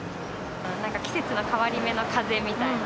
なんか季節の変わり目のかぜみたいな。